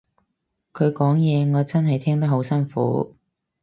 佢講嘢我真係聽得好辛苦